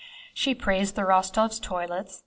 She praised the Rostóvs' toilets.